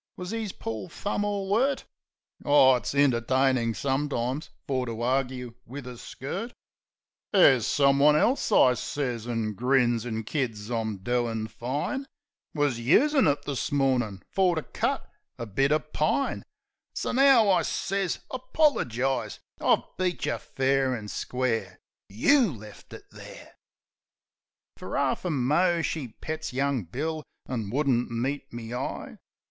"Was 'is poor thumb all 'urt?" (Oh, it's entertainin' sometimes fer to argue wiv a skirt. ) "There's someone else," I sez, an' grins, an' kids I'm doin' fine, "Wus usin' it this mornin' fer to cut a bit uv pine. TO Logic and Spotted Dog So now," I sez, "apolergise! I've beat you fair an' square ! You left it there!" Fer 'arf a mo she pets young Bill, an' would'nt meet me eye.